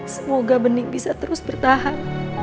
semoga bening bisa terus bertahan